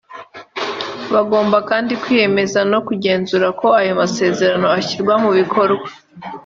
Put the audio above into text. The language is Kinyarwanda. Bagomba kandi kwiyemeza no kugenzura ko ayo masezerano ashyirwa mu bikorwa